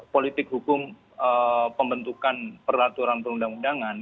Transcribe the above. politik hukum pembentukan peraturan perundang undangan